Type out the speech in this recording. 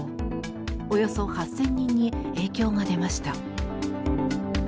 およそ８０００人に影響が出ました。